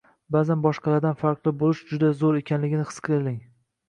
Ba’zan boshqalardan farqli bo’lish juda zo’r ekanligini his qiling